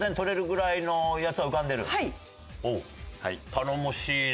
頼もしいね。